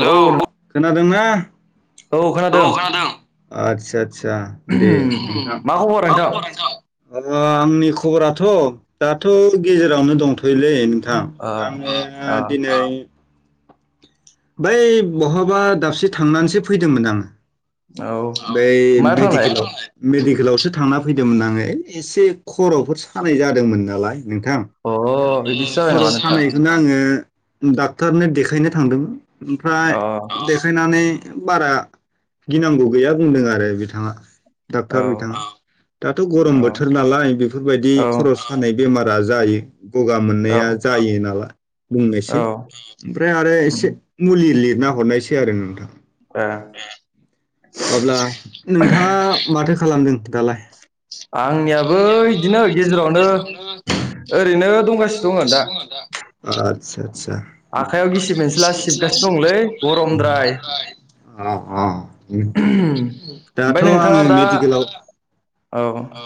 औ खोनादोंना? अ। औ खोनादों आदसा आदसा दे नोंथां मा खबर नोंथां माबोरै खबरा आंनि खबराथ। थ' दाथ' गेजेरावनो दंथ'यलै। दे नोंथां ओ आङो दिनै। बै बहाबा दाबसे थांनानैसो फैदोंमोन आङो। ओ औ बेै मायाव थांनाय मेदिकेलाव। मेडिकेलावसो थांना फैदोंमोन आङो एसे खर'फोर सानाय जादोंमोन नालाय। नोंथां अ बिदिसो जाबाय खर' नामा नोंथां सानायजोंनो आङो। डाक्टरनो देखायनो थांदोंमोन। ओमफ्राय अ औ देखायनानै। बारा गिनांगौ। गैया बुंदों आरो बिथाङा। डाक्टर औ बिथाङा दाथ' गरम बोथोर नालाय बेफोरबायदि खर'स औ सानाय बेमार। दा जायो। गगा औ मोननाया जायो नालाय। बुंनोसै औ ओमफ्राय आरो उम एसे मुलि लिर। लिरना हरनायसै आरो नोंथां। हा। अब्ला नोंथाङा माथो। खालामदों दालाय? आंनियाबो बिदिनो गेजेरावनो ओरैनो दंगासिनो दङ दा [unintelligible] सा आखाइयाव गिसिब मोनसैला सिबगासिनो दंलै गरमद्राय औ-औ दाथ' ओमफ्राय नोंथाङा आङो दा मेडिकेलाव औ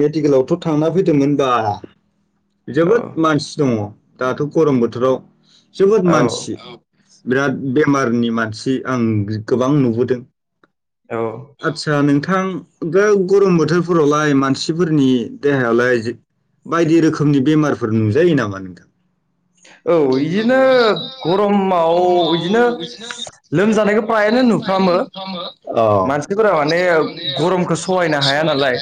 मेडिकेलावथ' थांना फैदोंमोनबा औ जोबोद मानसि दङ दाथ' गरम बोथोराव जोबोद मानसि औ बिराद बेमारनि मानसि आं गि-गोबां नुबोदों औ आतसा नोंथां आं गो गरम बोथोर फोरावलाय मानसिफोरनि देहायालाय जे बायदि रोखोमनि बेमारफोर नुजायो नामा नोंथां औ बिदिनो गरमाव बिदिनो लोमजानायखौ फ्रायानो नुफ्रामो अ मानसिफोरा माने गरमखौ सहायनो हाया नालाय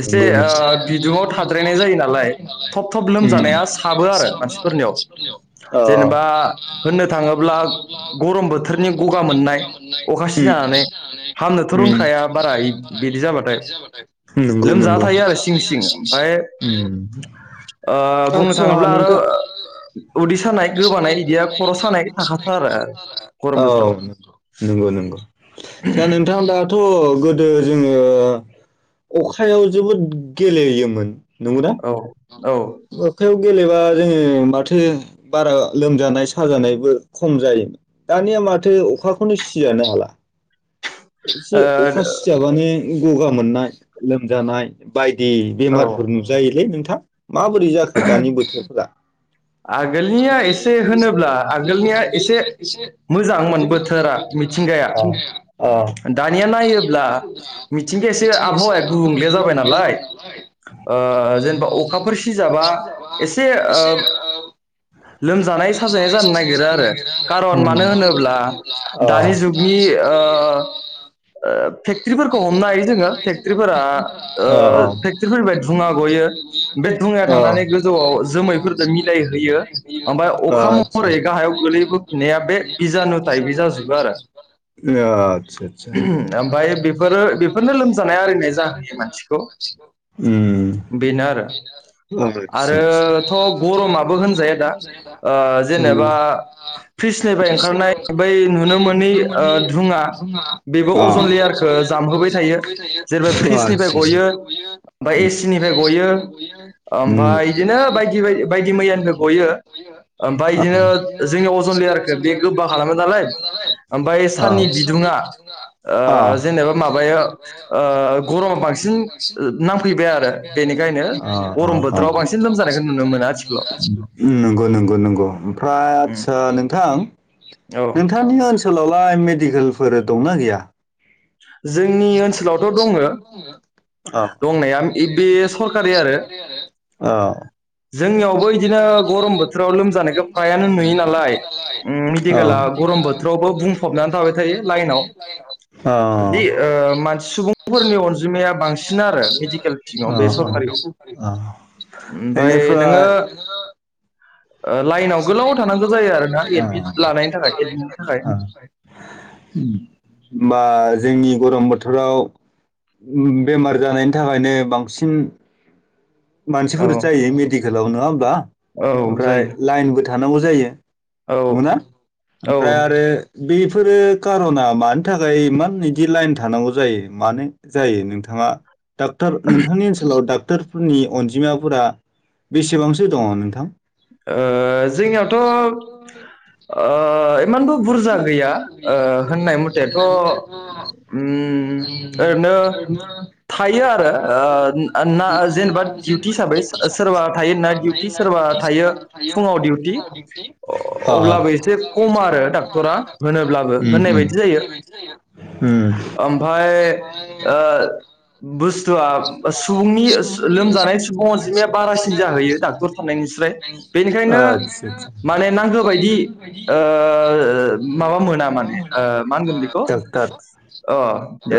एसे नंगौ नंगौ बिदुङाव थाद्रायनाय जायो नालाय थब थब लोमजानाया साबो आरो मानफोरनियाव औ जेनेबा बुंनो थाङोब्ला गरम बोथोरनि गगा मोननाय अखासि उम अखा जानानै सिजानानै उम हामनोथ' रोंखाया बारा बिदि जाबाथाय नंगौ-नंगौ लोमजाना थायो आरो सिं सिं ओम ओ बुंनो आदसा थाङोब्ला आरो नोंथाङ उदै सानाय गोबानाय बिदिया खर' सानाय थाखाथारो औ नंगौ-नंगौ दा नोंथांआ थ' गोदो जोङो अखायाव जोबोद गेलेयोमोन नंङौ दा औ औ ओ औ अखायाव गेलेबा जोङो माथो माथो बारा लोमजानाय साजानायबो खम जायोमोन दानिया माथो अखाखौनो सिजानो हाला एसे अखा सिजाबानो गगा मोननाय लोमजानाय बायदि दे औ बेमारफोर नुजायोलै नोंथा [unintelligible] माबोरै जाखो दानि बोथोरफोरा आगोलनिया एसे होनोब्ला आगोलनिया एसे मोजांमोन बोथोरा मिथिंगाया दानिया नायोब्ला मिथिंगाया एसे आबहावाया गुबुंले जाबाय नालाय जेनेबा अखाफोर सिजाबा एसे ओ ओ लोमजानाय साजानाय जानो नागिरो आरो उम खारन मानो होनोब्ला औ दानि जुगनि ओ ओ फेक्ट्रिफोरखौ हमनो हायो जोङो फेक्ट्रिफोरा ओ फेक्ट्रिफोरनिफ्राय धुङा गयो बे धुङाया थांनानै गोजौआव जोमैफोरजों मिलायो गाहायाव [unintelligible] गोलैबोफिननाया बे बिजानु टाइपै जाजोबो आरो अ‌ आदसा ओमफ्राय बेफोरो बेफोरनो लोमजानाय आरिनाय जाहोयो आदसा मानसिखौ बेनो आरो [unintelligible] ओम जाया दा जेनेबा फ्रिसनिफ्राय ओंखारनाय बै नुनो मोनि धुङा बेबो अजन लेयारखौ जामहोबाय थायो जेनेबा फ्रिजनिफ्राय गयो ओमफ्राय उम एसिनिफ्राय गयो ओमफ्राय बिदिनो बायदि बायदि मैया बायदि मैया गयो बिदिनो जोनि अजन लेयारखौ बे बोना लायो नालाय ओमफ्राय बे साननि बिदुङा बिदुुंङा जेनेबा माबाया गरमा बांसिन नामफैबाय आरो बेनिखायनो गरम बोथोराव बांसिन लोमजानायखौ नुनो मोनो आथिखालाव नंगौ नंगौ नंगौ ओमफ्राय उम आदसा नोंथां औ नोंथांनि ओनसोलाव बा मेडिकेलफोर दंना गैया जोंनि ओनसोलावथ' दङ औ दंनाया इबे सरकारि आरो अ जोंनियावबो अ बिदिनो गरम बोथोराव लोमजानायखौ फ्रायानो नुयो नालाय उम [unintelligible] मेडिकेला गरम बोथोरावबो बुंफबनानै [inaudible] बिदि अ मानसि सुबुंफोरनि अनजिमाया बांसिन आरो मेडिकेल सिङाव बे सरखारियाव ओमफाय नोङो नोङो [inaudible] लाइनाव थानांगौ गोलाव जायो आरोना थानांगौ एडमिट लानायनि थाखाय लानाय एडमिटनि थाखाय होनबा जोंनि गरम बोथोराव बेमार जानायनि थाखायनो बांसिन औ मानसिफोर जायो मेडिकेलावनो। नङा होनबा? औ ओमफ्राय जायो लाइनबो थानां थानांगौ जायो। औ नंगैना ओ ओमफ्राय आरो बे बेफोरो खार'ना मानि थाखाय इमान बिदि लाइन थानांगौ जायो मानो जायो नोंथाङा डाक्टर नोंथांनि ओनोलाव डाक [inaudible] फोरनि अनजिमाफोरा बेसेबांसो दङ नोंथां। ओ जोंनियावथ' ओ इमानबो बुरजा गैया होननाय मथेथ' ओरैनो थायो आरो ना जेनेबा डिउटि हिसाबै सोरबा थायो नाइट डिउटि सोरबा थायो। थायो फुंआव डिउटि अब्लाबो एसे हरा होनोब्लाबो होननाय बायदि जायो उम उम ओमफ्राय बुस सुबुंनि लोमजानाय सुबुं अनजिमाया बारासिन जाहैयो डाक्टर थानायनायनिफ्राय। बेखायनो आदसा माने नांगौ बायदि ओ माबा मोना माने ओ मा होनगोन बेखौ डाक्टार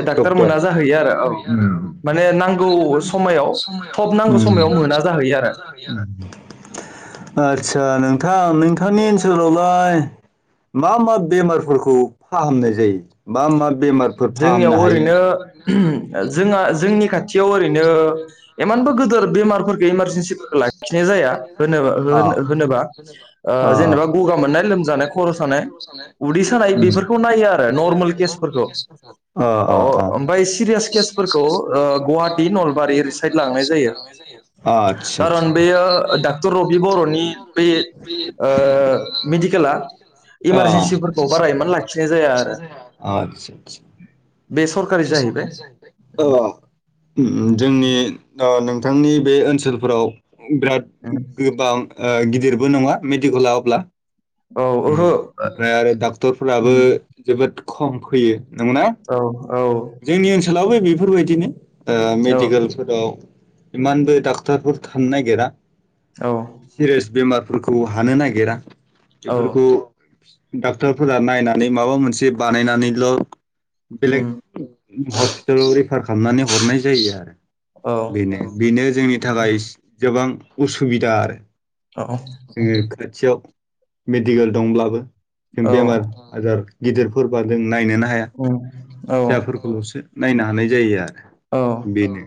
डक्टर मोना जाहैयो आरो औ माने नांगौ माने नांगौ समायाव समायाव थब नांगौ समायाव नांगौ मोना समायाव जाहैयो आरो मोना जाहैयो आरो। आतसा नोंथां नोंथांनि ओनसोलावलाय मा मा बेमारफोरखौ फाहामनाय जायो? मा मा बेमारफोर जोंनियाव फाहामनो हायो ओरैनो जोंहा जोंनि खाथि याव ओरैनो इमानबो गिदोर बेमारफोर इमारजेेनसिफोरखौ लाखिनाय जाया। होनोबा अ होनोबा अ जेनेबा गगा मोननाय लोमजानाय खर' सानाय उदै सानाय बेफोरखौ नायो आरो नर्मेल केसफोरखौ। ओमफ्राय सिरियास अ' केसफोरखौ ओ गुवाहाटि नलबारि अ' ओरै अ' कारन बेयो डाक्टर रबि बर'नि बे मेडिकेला इमारजेन्सिफोरखौ बारा इमान अ लाखिनाय जाया आरो। आदसा बे सरकारि जाहैबाय जोंनि बिथांनि बे ओनसोल फोराव बिराद गोबां गिदिरबो नङा मेडिकेला अब्ला औ ओ ओहो ओमफ्राय आरो डाक्टरफोराबो उम, जोबोद खम फैयो। नंगौना औ औ। जोंनि ओनसोलावबो बेफोर बायदिनो। ओ औ मेडिकेलफोराव। इमानबो डा माफोर थानो नागिरा। औ सिरियास बेमार फोरखौ हानो नागिरा। औ बेफोरखौ डाक्टरफोरा नायनानै माबा मोनसे बानायनानैल' बेलेग उम, हस्पिटाल खालामनानै हरनाय जायो आरो। औ बेनो बेनो जोंनि नि उम, थाखाय गोबां उसुबिदा आरो। औ [unintelligible] थियाव मेडिकेल दंब्लाबो। औ बेमार हाजार। गिदिरफोरबा जों नायनोनो हाया उम, औ फिसाफोरखौल'सो नायनो हानाय जायो आरो औ बेनो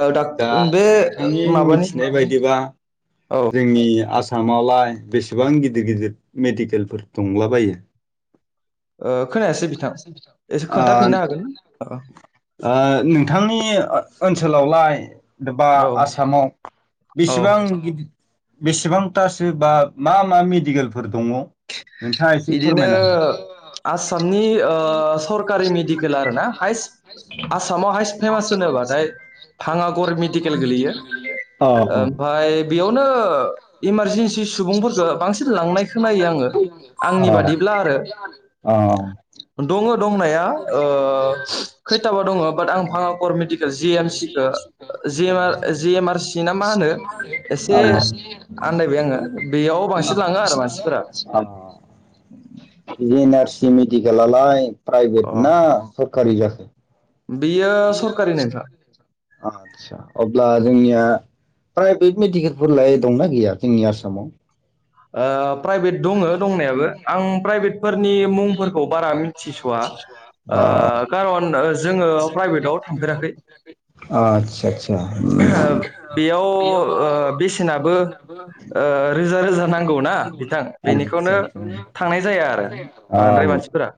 औ दा बे नोंथांनि माबानि मिथिनाय बायदिबा औ जोंनि आसा मावलाय बेसेबां गिदिर गिदिर मेडिकेलफोर दंलाबायो ओ खोनायासै बिथां एसे ओ खोन्थाफिननो हागोन ना? ओ नोंथांनि ओ-ओनसोलावलाय बा औ आसामाव औ बेसेबां गिदिर बेसेबांथासो बा मा मा मेडिकेलफोर दङ नोंथाङा एसे बिदिनो फोरमायना आसामनि ओ सरकारि मेदिकेल आरोना हायस आसामाव हायस फेमास होनोबाथाय भांगाघर मेदिकेल गोलैयो अ ओ अ ओमफाय बेयावनो इमारजि नसि सुबुंफोरखौ बांसिन लांनाय खोनायो आङो अ आंनि बादिब्ला आरो अ दङ दंनाया ओ खैथाबा दङ बाट आं भांगा करमेडकेल जि एम सिखौ जि एम आर सि ना मा होनो एसे जेएनआरसि आन्दायबाय आङो बेयाव बांसिन लाङो आरो मानसि अ आरसि मेडिकेलालाय अ प्राइभेट ना सर जसे बेयो सरकारि नोंथां [inaudible] आदसा अब्ला जोंनिया प्राइभेट मेडिकेलफोर लाय दंना गैया जोंनि आसामाव ओ प्राइभेट दङ दंनायाबो आं प्राइभेट फोरनि मुंफोरखौ बारा मोनथिसया अ ओ खारन जोंयो प्रायभेट थांफेराखै आदसा आदसा उम बेयाव बेसेनाबो रोजा रोजा नांग नांगौ ना बिथां आदसा बेनिखौनो थांनाय जाया आरो बांद्राय औ मानसिफोरा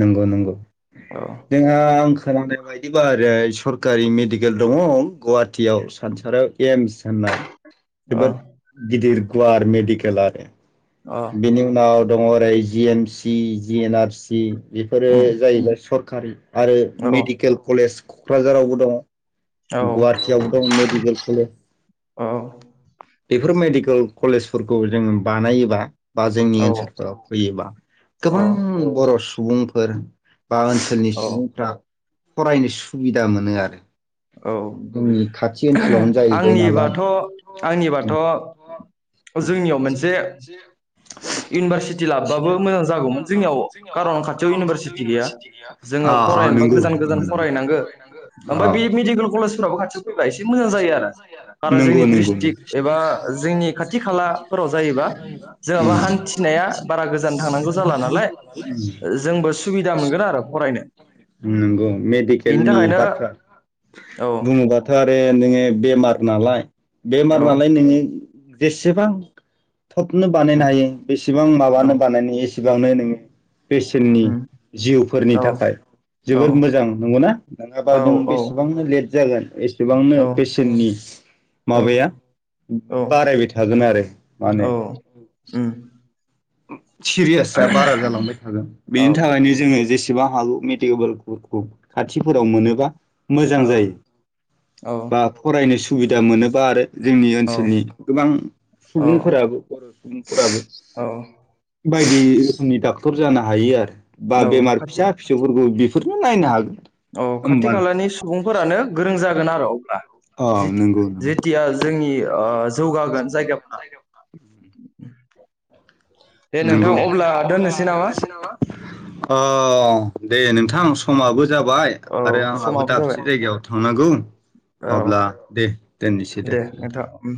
नंगौ नंगौ औ जोंहा आं खोनानाय बायदिबा ओरै सरकारि मेडिकेल दङ गुवाहाटियाव सानसाराव एम्स होननाय औ जोबोद गिदिर गुयार मेडिकेल आरो औ बिनि उनाव दङ ओरै G M C G N R C बेफोरो उम जाहैबाय सर खारि आरो औ मेडिकेल कलेज क'क्राझारावबो दङ। औ गुवाहाटियाव दं मेडिकेल कलेज बेफोर मेडिकेल कलेजफोरखौ जोङो बानायोबा बा जोंनि औ ओनसोलफोराव फैयोबा गोबां औ बर' सुबुंफोर बा ओनसोलनि औ सुबुंफ्रा फरायनो सुबिदा मोनो आरो औ जोंनि खाथि ओनसोलावनो जाहैबाय नालाय आंनिबाथ' आंनिबाथ' जोंनियाव मोनसे इउनिभारसिटि इनिभारसिटि लाबाबो मोजां जागौमोन जोंनियाव कारन खाथियाव इउनिभारसिटि गैया जोङो फरायनोबा गोजान गोजान फरायनांगो फरायनांगौ ओमफ्राय बे [unintelligible] मेडिकेल कलेजफोराबो खाथियाव फैबा एसे मोजां जायो आरो खारन जोंनि नंगौ नंगौ ड्रिस्ट्रिक एबा जोंनि खाथि खालाफोराव जायोबा जोंहाबा जेन'बा हान्थिनाया बारा गोजान थांनांगौ जाला नालाय जोंबो सुबिदा मोनगोन आरो फरायनो नंगौ बेनि मेडिकेलनि थाखायनो बाथ्रा औ बुङोबाथ' आरो नोङो बेमार नालाय बेमार औ नालाय नोङो जेसेबां। थबनो बानायनो उम हायो बेसे एसेबां औ माबानो बानायनायनि एसे बांनो नोङो बेसेननि उम जिउफोरनि औ थाखाय औ जोबोद मोजां नंगौना? नङाबा औ नों औ बेसेबांनो लेट जागोन एस बिबांनो औ पेसेन्टनि औ माबाया औ बारायबाय थागोन आरो मा होनो औ उम [inaudible] सिरियासा बारा जालांबाय थागोन औ बेनि थाखायनो जोङो जेसे बेसेबां हागौ मेडिकेलफोरखौ खाथिफोराव मोनोबा मोजां औ जायो बा फरायनो सु सुबिदा मोनोबा आरो जोंनि औ ओनसोलनि गोबां औ सुबुंफोराबो बर' सुबुंफोराबो। औ बायदि रोखोमनि दाब टर जानो हायो आरो। बा औ बेमार खाथि फिसा फिसौफोरखौ बि बेफोरनो नायनो हागोन औ खाथि होमबाना खालानि सुबुंफोरानो गोरों जागोन आरो अब्ला। अ नंगौ जेथिया जोंनि ओ जौगागोन जायगाफोरा। नंगौ नोंथां अब्ला दोननोसै नामा ओ। दे नोंथां समाबो जाबाय औ आरो आंहाबो समाबो जाबाय दाबसे जायगायाव थांनांगौ औ अब्ला दे दोननोसै दे। नोंथां उम